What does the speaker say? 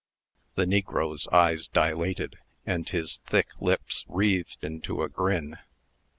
The negro's eyes dilated, and his thick lips wreathed into a grin.